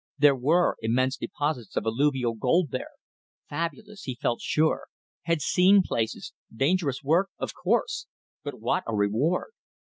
There were immense deposits of alluvial gold there. Fabulous. He felt sure. Had seen places. Dangerous work? Of course! But what a reward!